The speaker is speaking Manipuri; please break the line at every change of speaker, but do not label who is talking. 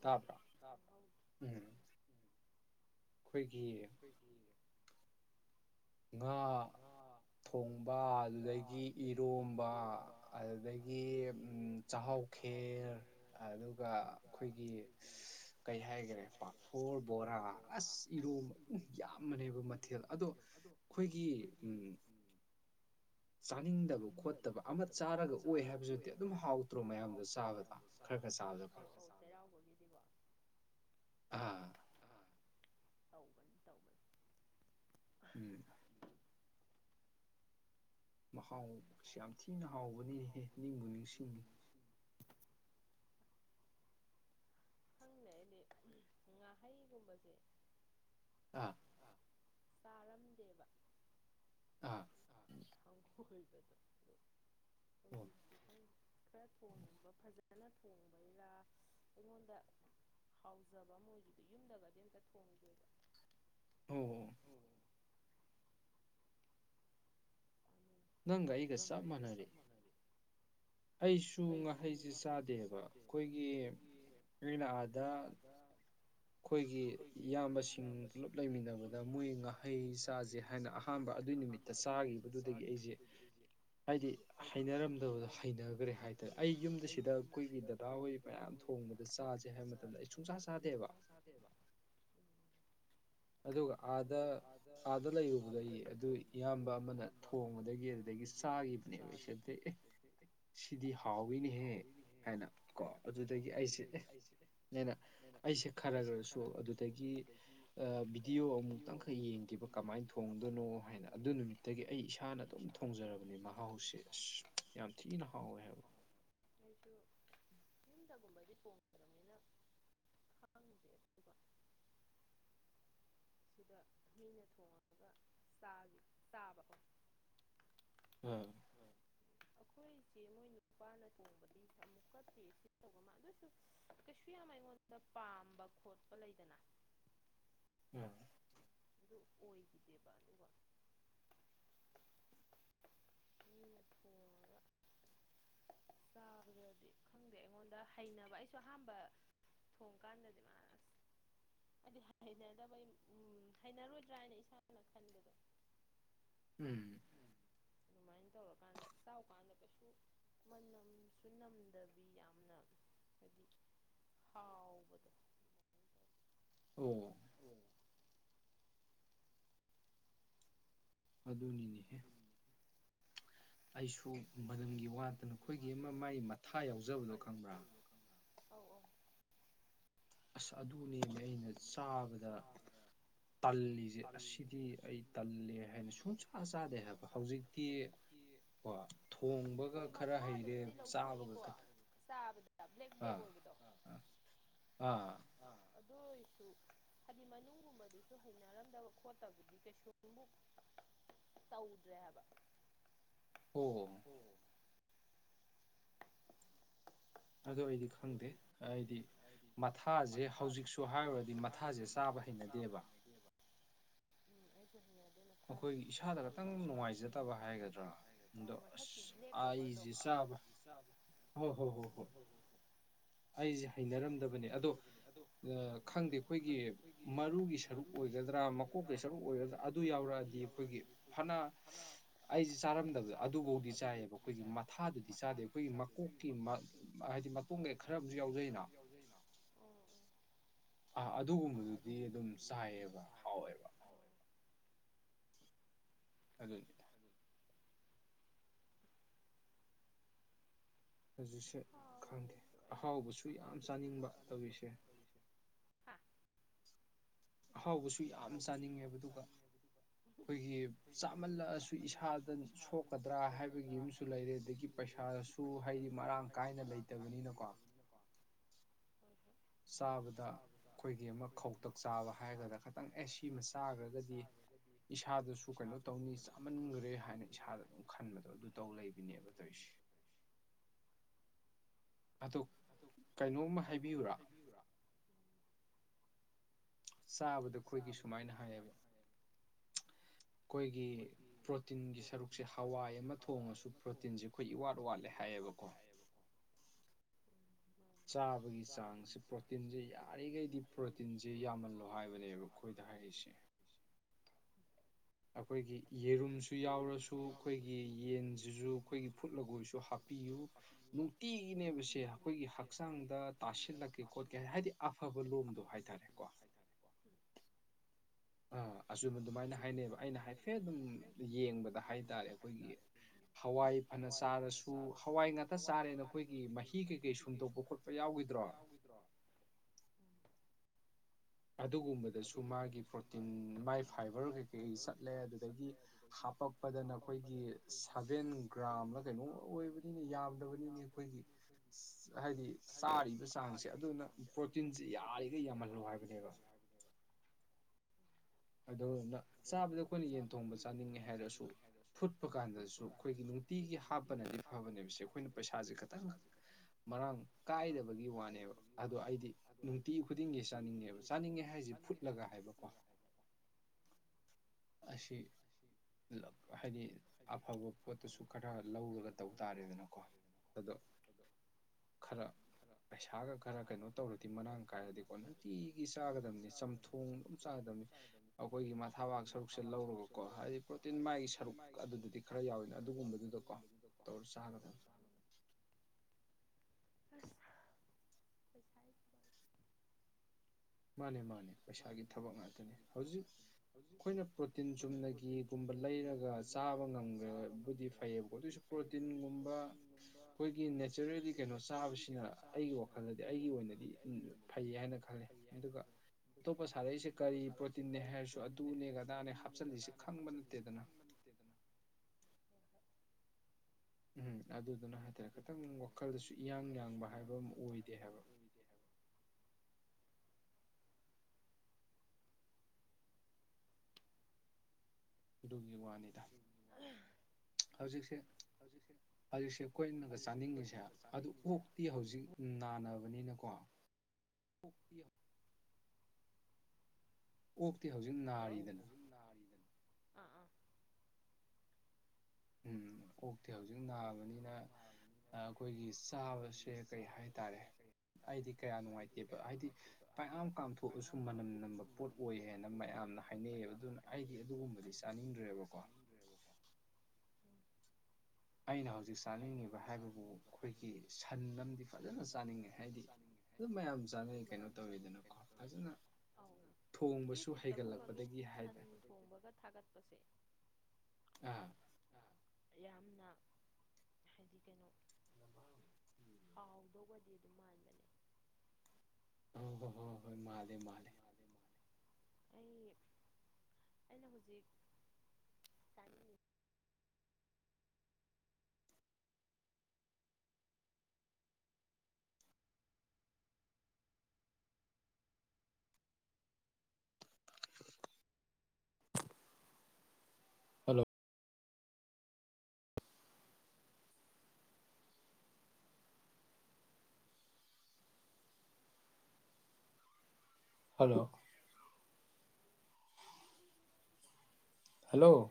ꯇꯥꯕ꯭ꯔꯥ
ꯇꯥ
ꯎꯝ ꯑꯩꯈꯣꯏꯒꯤ
ꯑꯩꯈꯣꯏꯒꯤ
ꯉꯥ ꯊꯣꯡꯕ ꯑꯗꯨꯗꯒꯤ ꯏꯔꯣꯝꯕ ꯑꯗꯨꯗꯒꯤ ꯎꯝ ꯆꯥꯛꯍꯥꯎ ꯈꯦꯔ ꯑꯗꯨꯒ ꯑꯩꯈꯣꯏꯒꯤ ꯀꯩ ꯍꯥꯏꯒꯔꯦ ꯄꯥꯐꯣꯔ ꯕꯣꯔꯥ ꯑꯁ ꯏꯔꯣꯝ ꯎꯝ ꯌꯥꯝꯕꯅꯦꯕ ꯃꯊꯦꯜ ꯑꯗꯣ ꯑꯩꯈꯣꯏꯒꯤ ꯎꯝ
ꯆꯥꯅꯤꯡꯗꯕ ꯈꯣꯠꯇꯕ ꯑꯃ ꯆꯥꯔꯒ ꯑꯣꯛꯑꯦ ꯍꯥꯏꯕꯖꯨꯇꯦ ꯑꯗꯨꯝ ꯍꯥꯎꯇ꯭ꯔꯣ ꯃꯌꯥꯝ ꯆꯥꯕꯒ ꯑꯧ ꯑꯧ ꯆ ꯩꯔꯥꯎꯕꯒꯤꯗꯤꯀꯣ
ꯑꯥ
ꯑꯧ
ꯎꯝ ꯃꯍꯥꯎ ꯁꯦ ꯌꯥꯝ ꯊꯤꯅ ꯍꯥꯎꯕꯅꯤꯍꯦ ꯅꯤꯡꯕꯨ ꯅꯤꯡꯁꯤꯡꯉꯤ
ꯈꯪꯗꯦ ꯑꯩꯗꯤ ꯉꯥꯍꯩꯒꯨꯝꯕꯁꯦ
ꯑꯥ
ꯆꯥꯔꯝꯗꯦꯕ
ꯑꯥ
ꯑꯣꯏꯕꯗꯣ
[unintelligible]
ꯈꯔ ꯊꯣꯡꯕ ꯐꯖꯅ ꯊꯣꯡꯕꯩꯔꯥ ꯑꯩꯉꯣꯟꯗ ꯍꯥꯎꯖꯕ ꯑꯃ ꯑꯣꯏꯒꯤꯗꯦ ꯌꯨꯝꯗꯒꯗꯤ ꯑꯝꯇ ꯊꯣꯡꯗꯦ ꯎꯝ
ꯅꯪꯒ ꯑꯩꯒ ꯆꯞ ꯃꯥꯟꯅꯔꯦ ꯑꯩꯁꯨ ꯉꯥꯍꯩꯁꯦ ꯆꯥꯗꯦꯕ ꯑꯈꯣꯏꯒꯤ ꯑꯩꯅ ꯑꯥꯗ ꯑꯈꯣꯏꯒꯤ ꯏꯌꯥꯝꯕꯁꯤꯡ ꯄꯨꯂꯞ ꯂꯩꯃꯤꯟꯅꯕꯗ ꯃꯣꯏ ꯉꯥꯍꯩ ꯆꯥꯁꯦ ꯍꯥꯏꯅ ꯑꯍꯥꯟꯕ ꯑꯗꯨꯏ ꯅꯨꯃꯤꯠ ꯇ ꯆꯥꯒꯤꯕꯗꯨꯗꯒꯤ ꯑꯩꯖꯦ ꯍꯥꯏꯗꯤ ꯍꯩꯅꯔꯝꯗꯕꯗꯣ ꯍꯩꯅꯒ꯭ꯔꯦ ꯍꯥꯏ ꯑꯩ ꯌꯨꯝꯗ ꯁꯤꯗ ꯑꯩꯈꯣꯏꯒꯤ ꯗ ꯥꯗꯥ ꯍꯣꯏ ꯃꯌꯥꯝ ꯊꯣꯡꯕꯗ ꯆꯥꯁꯦ ꯍꯥꯏꯕ ꯃꯇꯝꯗ ꯑꯩ ꯁꯨꯡꯆꯥ ꯆꯥꯗꯦꯕ
ꯆꯥꯗꯦꯕ
ꯑꯗꯨꯒ ꯑꯥꯗ ꯑꯥꯗ ꯂꯩꯔꯨꯕꯗꯒꯤ ꯑꯗꯨ ꯏꯌꯥꯝꯕ ꯑꯃꯅ ꯊꯣꯡꯕꯗꯒꯤ ꯑꯗꯨꯗꯒꯤ ꯆꯥꯒꯤꯕꯅꯦ [unintelligible] ꯁꯤꯗꯤ ꯍꯥꯎꯏꯤꯅꯦꯍꯦ ꯍꯥꯏꯅ ꯀꯣ ꯑꯗꯨꯗꯒꯤ ꯑꯩꯁꯦ ꯑꯦ ꯍꯥꯢꯅ ꯑꯩꯁꯦ ꯈꯔ ꯈꯔꯁꯨ ꯑꯗꯨꯗꯒꯤ ꯚꯤꯗꯤꯑꯣ ꯑꯃꯨꯛꯇꯪꯈꯛ ꯌꯦꯡ ꯌꯦꯡꯈꯤꯕ ꯀꯃꯥꯏ ꯊꯣꯡꯗꯣꯏꯅꯣ ꯍꯥꯏꯅ ꯑꯗꯨ ꯅꯨꯃꯤꯠꯇꯒꯤ ꯑꯩ ꯏꯁꯥꯅ ꯑꯗꯨꯝ ꯊꯣꯡꯖꯔꯕꯅꯦ ꯃꯍꯥꯎꯁꯦ ꯑꯁ ꯌꯥꯝ ꯊꯤꯅ ꯍꯥꯎꯋꯦ ꯍꯥꯏꯕ
ꯑꯩꯗꯣ [unintelligible] [unintelligible] [unintelligible]
ꯑꯥ
ꯑꯈꯣꯢꯗꯤ ꯃꯣꯏ ꯅꯨꯄꯥꯅ ꯊꯣꯡꯕꯅꯤ ꯑꯃꯨꯛꯈꯛꯇꯤ [unintelligible] ꯀꯩꯁꯨ ꯌꯥꯝ ꯑꯩꯉꯣꯟꯗ ꯄꯥꯝꯕ ꯈꯣꯠꯄ ꯂꯩꯗꯅ
ꯎꯝ
ꯑꯗꯨ ꯑꯣꯏꯈꯤꯗꯦꯕ [unintelligible] ꯆꯥꯕꯗꯗꯤ ꯈꯪꯗꯦ ꯑꯩꯉꯣꯟꯗ ꯍꯩꯅꯕ ꯑꯩꯁꯨ ꯑꯍꯥꯝꯕ ꯊꯣꯡꯀꯥꯟꯗꯗꯤ ꯍꯥꯏꯗꯤ ꯍꯩꯅꯗꯕꯩ ꯎꯝ ꯍꯩꯅꯔꯣꯏꯗ꯭ꯔꯥ ꯍꯥꯏꯅ ꯏꯁꯥꯅ ꯈꯟꯕꯗꯣ
ꯎꯝ
ꯑꯗꯨꯃꯥꯏꯅ ꯇꯧꯔꯀꯥꯟꯗ ꯆꯥꯎ ꯀꯥꯟꯗ ꯃꯅꯝꯁꯨ ꯅꯝꯗꯕꯤ ꯌꯥꯝꯅ ꯍꯥꯎꯕꯗꯣ
ꯑꯣ
ꯑꯣ
ꯑꯗꯨꯅꯤꯅꯦꯍꯦ ꯑꯩꯁꯨ ꯃꯅꯝꯒꯤ ꯋꯥꯠꯇ ꯑꯩꯈꯣꯏꯒꯤ ꯑꯃ ꯃꯥꯒꯤ ꯃꯊꯥ ꯌꯥꯎꯖꯕꯗꯣ ꯈꯪꯕ꯭ꯔꯥ
ꯑꯧ ꯑꯧ
ꯑꯁ ꯑꯗꯨꯅꯤꯅꯦ ꯑꯩꯅ ꯆꯥꯕꯗ ꯇꯜꯂꯤꯁꯦ ꯑꯁꯤꯗꯤ ꯑꯩ ꯇꯜꯂꯦ ꯍꯥꯏꯅ ꯁꯨꯡꯆꯥꯥ ꯆꯥꯗꯦ ꯍꯥꯏꯕ ꯍꯧꯖꯤꯛꯇꯤ ꯀꯣ ꯊꯣꯡꯕꯒ ꯈꯔ ꯍꯩꯔꯦ ꯆꯥꯕꯒ
ꯆꯥꯕꯗ ꯕ꯭ꯂꯦꯛ ꯕ꯭ꯂꯦꯛ ꯑꯣꯏꯕꯗꯣ ꯑꯗꯨ ꯑꯣꯏꯁꯨ ꯍꯥꯏꯗꯤ ꯃꯅꯨꯡꯒꯨꯝꯕꯗꯨꯁꯨ ꯍꯩꯅꯔꯝꯗꯕ ꯈꯣꯠꯇꯕꯗꯤ ꯀꯩꯁꯨꯨꯛ ꯇꯧꯗ꯭ꯔꯦ ꯍꯥꯏꯕ
ꯑꯣ ꯑꯣ
ꯑꯣ
ꯑꯗꯨ ꯑꯩꯗꯤ ꯈꯪꯗꯦ ꯍꯥꯢꯗꯤ ꯃꯊꯥꯁꯦ ꯍꯧꯖꯤꯛꯁꯨ ꯍꯥꯏꯔꯨꯔꯗꯤ ꯃꯊꯥꯁꯦ ꯆꯥꯕ ꯍꯩꯅꯗꯦꯕ
ꯑꯩꯁꯨ ꯍꯩꯅꯗꯦ ꯑꯧ ꯃꯇꯛꯀꯤ ꯕꯂꯦꯛ ꯀꯣꯕꯔꯗꯣ ꯆꯥꯕꯗꯣ
ꯑꯩꯁꯦ ꯍꯩꯅꯔꯝꯗꯕꯅꯤ ꯑꯗꯣ ꯈꯪꯗꯦ ꯑꯩꯈꯣꯏꯒꯤ ꯃꯔꯨꯒꯤ ꯁꯔꯨꯛ ꯑꯣꯏꯒꯗ꯭ꯔꯥ ꯃꯀꯣꯛꯀꯤ ꯁꯔꯨꯛ ꯑꯣꯏꯔ ꯑꯗꯨ ꯌꯥꯎꯔꯛꯑꯗꯤ ꯑꯩꯈꯣꯏꯒꯤ ꯐꯅ ꯑꯩꯁꯦ ꯆꯥꯔꯝꯗꯕꯗꯣ ꯑꯗꯨꯐꯥꯎꯗꯤ ꯆꯥꯏꯌꯦꯕ ꯑꯩꯈꯣꯏꯒꯤ ꯃꯊꯥꯗꯨꯗꯤ ꯆꯥꯗꯦ ꯑꯩꯈꯣꯏꯒꯤ ꯃꯀꯣꯛꯀꯤ ꯍꯥꯏꯗꯤ ꯃꯇꯣꯡꯗꯩ ꯈꯔ ꯑꯃꯁꯨ ꯌꯥꯎꯖꯩ
ꯈꯔ ꯌꯥꯎꯖꯩꯩꯅ
ꯑꯥ ꯑꯗꯨꯒꯨꯝꯕꯗꯨꯗꯤ ꯑꯗꯨꯝ ꯆꯥꯏꯌꯦꯕ ꯍꯥꯎꯋꯦꯕ ꯑꯗꯨ [unintelligible] ꯍꯧꯖꯤꯛꯁꯦ ꯈꯪꯗꯦ ꯑꯍꯥꯎꯕꯁꯨ ꯌꯥꯝ ꯆꯥꯅꯤꯡꯕ ꯇꯧꯔꯤꯁꯦ ꯑꯍꯥꯎꯕꯁꯨ ꯌꯥꯝ ꯆꯥꯅꯤꯡꯉꯦꯕ ꯑꯗꯨꯒ ꯑꯩꯈꯣꯏꯒꯤ ꯆꯥꯃꯜꯂꯛꯑꯁꯨ ꯏꯁꯥꯗ ꯁꯣꯛꯀꯗ꯭ꯔꯥ ꯍꯥꯏꯕꯒꯤ ꯑꯃꯁꯨ ꯂꯩꯔꯦ ꯑꯗꯒꯤ ꯄꯩꯁꯥꯁꯨ ꯍꯥꯏꯗꯤ ꯃꯔꯥꯡ ꯀꯥꯏꯅ ꯂꯩꯇꯕꯅꯤꯅꯀꯣ ꯆꯥꯕꯗ ꯑꯩꯈꯣꯏꯒꯤ ꯑꯃ ꯈꯧꯇꯛ ꯆꯥꯕ ꯍꯥꯏꯔꯒ꯭ꯔ ꯈꯤꯇꯪ ꯑꯦ ꯁꯤꯃ ꯆꯥꯈ꯭ꯔ ꯒꯗꯤ ꯏꯁꯥꯗꯁꯨ ꯀꯩꯅꯣ ꯇꯧꯅꯤ ꯆꯥꯃꯟꯒ꯭ꯔꯦ ꯍꯥꯏꯅ ꯏꯁꯥꯗ ꯑꯗꯨꯝ ꯈꯟꯕꯗꯣ ꯑꯗꯨ ꯇꯧ ꯂꯩꯕꯤꯅꯦꯕ ꯇꯧꯔꯤꯁꯦ ꯑꯗꯨ ꯀꯩꯅꯣꯝꯃ ꯍꯥꯏꯕꯤꯌꯨꯔꯥ ꯆꯥꯕꯗ ꯑꯩꯈꯣꯏꯒꯤ ꯁꯨꯃꯥꯏꯅ ꯍꯥꯏꯌꯦꯕ ꯑꯩꯈꯣꯏꯒꯤ ꯄ꯭ꯔꯣꯇꯤꯟꯒꯤ ꯁꯔꯨꯛꯁꯦ ꯍꯋꯥꯏ ꯑꯃ ꯊꯣꯡꯉꯁꯨ ꯄ꯭ꯔꯣ ꯇꯤꯟꯁꯦ ꯑꯩꯈꯣꯏ ꯏꯋꯥꯠ ꯋꯥꯠꯂꯦ ꯍꯥꯏꯌꯦꯕꯀꯣ ꯆꯥꯕꯒꯤ ꯆꯥꯡꯁꯦ ꯄ꯭ꯔꯣꯇꯤꯟꯁꯦ ꯌꯥꯔꯤꯈꯩꯗꯤ ꯄ꯭ꯔꯣꯇꯤꯟꯁꯦ ꯌꯥꯝꯃꯜꯂꯣ ꯍꯥꯏꯕꯅꯦꯕ ꯈꯣꯏꯗ ꯍꯥꯏꯔꯤꯁꯦ ꯑꯩꯈꯣꯏꯒꯤ ꯌꯦꯔꯨꯝꯁꯨ ꯌꯥꯎꯔꯁꯨ ꯑꯩꯈꯣꯏꯒꯤ ꯌꯦꯟꯁꯤꯁꯨ ꯑꯩꯈꯣꯏꯒꯤ ꯐꯨꯠꯂꯒ ꯑꯣꯏꯁꯨ ꯍꯥꯞꯄꯤꯌꯨ ꯅꯨꯡꯇꯤꯒꯤꯅꯦꯕꯁꯦ ꯑꯩꯈꯣꯏꯒꯤ ꯍꯛꯆꯥꯡꯗ ꯇꯥꯁꯤꯜꯂꯛꯀꯦ ꯈꯣꯠꯀꯦ ꯍꯥꯏ ꯍꯥꯏꯗꯤ ꯑꯐꯕ ꯂꯣꯝꯗꯣ ꯍꯥꯏꯇꯥꯔꯦꯀꯣ ꯑꯥ ꯑꯆꯨꯝ ꯑꯗꯨꯃꯥꯏꯅ ꯍꯥꯏꯅꯩꯌꯦꯕ ꯑꯩꯅ ꯍꯥꯏꯐꯦꯠ ꯑꯗꯨꯝ ꯌꯦꯡꯕꯗ ꯍꯥꯏꯇꯥꯔꯦ ꯑꯩꯈꯣꯏꯒꯤ ꯍꯋꯥꯏ ꯐꯅ ꯆꯥꯔꯁꯨ ꯍꯋꯥꯏ ꯉꯥꯛꯇ ꯆꯥꯔꯦꯅ ꯑꯩꯈꯣꯏꯒꯤ ꯃꯍꯤ ꯀꯩꯀꯩ ꯁꯨꯝꯇꯣꯛꯄ ꯈꯣꯠ ꯄ ꯌꯥꯎꯈꯤꯗ꯭ꯔꯣ
ꯌꯥꯎꯒꯤꯗ꯭ꯔꯣ
ꯑꯗꯨꯒꯨꯝꯕ ꯗꯨꯗꯁꯨ ꯃꯥꯒꯤ ꯄ꯭ꯔꯣꯇꯤꯟ ꯃꯥꯏ ꯐꯥꯏꯕꯔ ꯀꯩꯀꯩ ꯆꯠꯂꯦ ꯑꯗꯨꯗꯒꯤ ꯍꯥꯄꯛ ꯄꯗꯅ ꯑꯩꯈꯣꯏꯒꯤ ꯁꯚꯦꯟ ꯒ꯭ꯔꯥꯝꯂ ꯀꯩꯅꯣ ꯑꯣꯏꯕꯅꯤꯅꯦ ꯌꯥꯝꯗꯕꯅꯤꯅꯦ ꯑꯩꯈꯣꯏꯒꯤ ꯍꯥꯏꯗꯤ ꯆꯥꯔꯤꯕ ꯆꯥꯡꯁꯦ ꯑꯗꯨꯅ ꯄ꯭ꯔꯣꯇꯤꯟꯁꯦ ꯌꯥꯔꯤꯒꯩ ꯌꯥꯝꯍꯜꯂꯨ ꯍꯥꯏꯕꯅꯦꯕ ꯑꯗꯨ ꯅ ꯆꯥꯕꯗ ꯑꯩꯈꯣꯏꯅ ꯌꯦꯟ ꯊꯣꯡꯕ ꯆꯥꯅꯤꯡꯉꯦ ꯍꯥꯏꯔꯁꯨ ꯐꯨꯠꯄ ꯀꯥꯟꯗꯁꯨ ꯑꯩꯈꯣꯏꯒꯤ ꯅꯨꯡꯇꯤꯒꯤ ꯍꯥꯞꯄꯅꯗꯤ ꯐꯕꯅꯦꯕꯁꯦ ꯑꯩꯈꯣꯏꯅ ꯄꯩꯁꯥꯁꯦ ꯈꯤꯇꯪ ꯃꯔꯥꯡ ꯀꯥꯏꯗꯕꯒꯤ ꯋꯥꯅꯦꯕ ꯑꯗꯣ ꯑꯩꯗꯤ ꯅꯨꯡꯇꯤ ꯈꯨꯗꯤꯡꯒꯤ ꯆꯥꯅꯤꯡꯉꯦꯕ ꯆꯥꯅꯤꯡꯉꯦ ꯍꯥꯏꯁꯦ ꯐꯨꯠ ꯂꯒ ꯍꯥꯏꯕꯀꯣ ꯑꯁꯤ ꯂꯛ ꯍꯥꯏꯗꯤ ꯑꯐꯕ ꯄꯣꯠꯇꯁꯨ ꯈꯔ ꯂꯧꯔꯒ ꯇꯧ ꯇꯥꯔꯦꯗꯅꯀꯣ ꯑꯗꯣ ꯈꯔ ꯄꯩꯁꯥꯒ ꯈꯔ ꯀꯩꯅꯣ ꯇꯧꯔꯗꯤ ꯃꯔꯥꯡ ꯀꯥꯏꯔꯗꯤꯀꯣ ꯅꯨꯡꯇꯤꯒꯤ ꯆꯥꯒꯗꯝꯅꯦ ꯆꯝꯊꯣꯡ ꯑꯗꯨꯝ ꯆꯥꯒꯗꯝꯅꯦ ꯑꯩꯈꯣꯏꯒꯤ ꯃꯊꯥꯕꯥꯛ ꯁꯔꯨꯛꯁꯦ ꯂꯧꯔꯒꯀꯣ ꯍꯥꯏꯗꯤ ꯄ꯭ꯔꯣꯇꯤꯟ ꯃꯥꯒꯤ ꯁꯔꯨꯛ ꯑꯗꯨꯗꯗꯤ ꯈꯔ ꯌꯥꯎꯋꯤꯅ ꯑꯗꯨꯒꯨꯝꯕꯗꯨꯗꯀꯣ ꯇꯧꯔ ꯆꯥꯒꯗꯝ
ꯑꯁ [inaudible]
ꯃꯥꯅꯦ ꯃꯥꯅꯦ ꯄꯩꯁꯥꯒꯤ ꯊꯕꯛ ꯉꯥꯛꯇꯅꯦ ꯍꯧꯖꯤꯛ ꯑꯩꯈꯣꯏꯅ ꯄ꯭ꯔꯣꯇꯤꯟ ꯆꯨꯝꯅꯒꯤꯒꯨꯝꯕ ꯂꯩꯔꯒ ꯆꯥꯕ ꯉꯝꯈ꯭ꯔꯕꯨꯗꯤ ꯐꯩꯌꯦꯕ ꯑꯗꯨꯏꯁꯨ ꯄ꯭ꯔꯣꯇꯤꯟꯒꯨꯝꯕ ꯑꯩꯈꯣꯏꯒꯤ ꯅꯦꯆꯔꯦꯜꯂꯤ ꯀꯩꯅꯣ ꯆꯥꯕꯁꯤꯅ ꯑꯩꯒꯤ ꯋꯥ ꯈꯜꯗꯗꯤ ꯑꯩꯒꯤ ꯑꯣꯏꯅꯗꯤ ꯐꯩ ꯍꯥꯏꯅ ꯈꯜꯂꯦ ꯑꯗꯨꯒ ꯑꯇꯣꯞꯄ ꯁꯥꯔꯛꯏꯁꯦ ꯀꯔꯤ ꯄ꯭ꯔꯣꯇꯤꯟꯅꯦ ꯍꯥꯏꯔ ꯁꯨ ꯑꯗꯨꯅꯦꯒ ꯑꯗꯥꯅꯦ ꯍꯥꯞꯆꯜꯂꯤꯁꯦ ꯈꯪꯕ ꯅꯠꯇꯦꯗꯅ ꯎꯝ ꯑꯗꯨꯗꯨꯅ ꯍꯥꯏꯇꯥꯔꯦ ꯈꯤꯇꯪ ꯋꯥꯈꯜꯗꯁꯨ ꯏꯌꯥꯡ ꯌꯥꯡꯕ ꯍꯥꯏꯕ ꯑꯃ ꯑꯣꯏꯗꯦ ꯍꯥꯏꯕ ꯑꯗꯨꯒꯤ ꯋꯥꯅꯤꯗ
[unintelligible]
ꯍꯧꯖꯤꯛꯁꯦ ꯍꯧꯖꯤꯛꯁꯦ ꯑꯩꯈꯣꯏꯅꯒ ꯆꯥꯅꯤꯡꯉꯤꯁꯦ ꯑꯗꯨ ꯑꯣꯛꯇꯤ ꯍꯧꯖꯤꯛ ꯅꯥꯅꯕꯅꯤꯅꯀꯣ
ꯑꯣꯛꯇꯤ
ꯑꯣꯛꯇꯤ ꯍꯧꯖꯤꯛ
ꯍꯜꯂꯣ ꯀꯣꯛ ꯍꯧꯖꯤꯛ ꯅꯔꯤꯕꯟ ꯑꯥ ꯑꯥ
ꯎꯝ ꯑꯣꯛꯇꯤ ꯍꯧꯖꯤꯛ ꯅꯥꯕꯅꯤꯅ ꯑꯥ ꯑꯩꯈꯣꯏꯒꯤ ꯆꯥꯕꯁꯦ ꯀꯔꯤ ꯍꯥꯏꯇꯥꯔꯦ ꯑꯩꯗꯤ ꯀꯌꯥ ꯅꯨꯡꯉꯥꯏꯇꯦꯕ ꯍꯥꯏꯗꯤ ꯄꯥꯏꯌꯥꯝ ꯀꯥꯝꯊꯣꯛꯑꯁꯨ ꯃꯅꯝ ꯅꯝꯕ ꯄꯣꯠ ꯑꯣꯏ ꯍꯥꯏꯅ ꯃꯌꯥꯝꯅ ꯍꯥꯏꯅꯩꯌꯦꯕ ꯑꯗꯨꯅ ꯑꯩꯗꯤ ꯑꯗꯨꯒꯨꯝꯕꯗꯤ ꯆꯥꯅꯤꯡꯗ꯭ꯔꯦꯕꯀꯣ ꯑꯩꯅ ꯍꯧꯖꯤꯛ ꯆꯥꯅꯤꯡꯉꯤꯕ ꯍꯥꯏꯕꯕꯨ ꯈꯣꯏꯒꯤ ꯁꯟ ꯑꯝꯗꯤ ꯐꯖꯅ ꯆꯥꯅꯤꯡꯉꯦ ꯍꯥꯏꯗꯤ ꯑꯗꯨꯝ ꯃꯌꯥꯝ ꯆꯥꯟꯅꯩ ꯀꯩꯅꯣ ꯇꯧꯋꯤꯗꯅꯀꯣ ꯐꯖꯅ ꯊꯣꯡꯕꯁꯨ ꯍꯩꯒꯠꯂꯛꯄꯗꯒꯤ ꯍꯥꯏꯇꯥꯏ
ꯊꯣꯡꯕꯒ ꯊꯥꯒꯠꯄꯁꯦ
ꯑꯥ
ꯑꯥ ꯌꯥꯝꯅ ꯍꯥꯏꯗꯤ ꯀꯩꯅꯣ ꯍꯥꯎꯗꯧꯕꯗꯤ ꯑꯗꯨꯝ ꯃꯥꯥꯟꯕꯦ
ꯑꯧ ꯍꯣ ꯍꯣꯏ ꯍꯣ ꯍꯣꯏ ꯃꯥꯜꯂꯦ ꯃꯥꯜꯂꯦ
ꯑꯩ ꯑꯩꯅ ꯍꯧꯖꯤꯛ ꯆꯥꯅꯤꯡ
ꯍꯥꯜꯂꯣ ꯍꯜꯂꯣ ꯍꯥꯜꯂꯧ